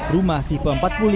rumah tipe empat puluh lima